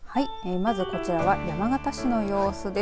まずこちらは山形市の様子です。